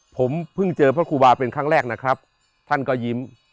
ผมเพิ่งเจอพระครูบาเป็นครั้งแรกนะครับท่านก็ยิ้ม